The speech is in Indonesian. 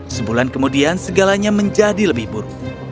sebulan kemudian segalanya menjadi lebih buruk